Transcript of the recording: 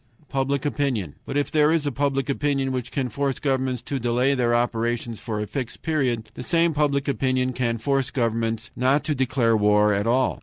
Public opinion. But if there is a public opinion which can force governments to delay their operations for a fixed period, the same public opinion can force governments not to declare war at all.